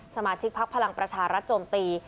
สมาชิกพักพลังประชารัฐโจมตี